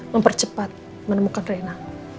mempercepat menemukan reina